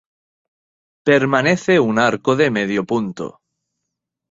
Permanece un arco de medio punto.